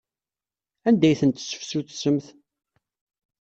Anda ay tent-tesseftutsemt?